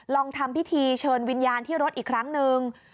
ลองทำพิธีเชิญวิญญาณที่รถอีกครั้งหนึ่ง